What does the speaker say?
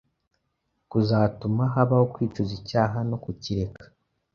kuzatuma habaho kwicuza icyaha no kukireka.